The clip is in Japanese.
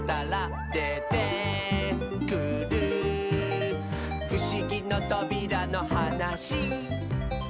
「でてくるふしぎのとびらのはなし」